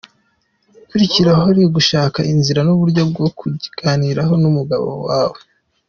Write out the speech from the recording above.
Igikurikiraho ni ugushaka inzira n’uburyo bwo kukiganiraho n’umugabo wawe.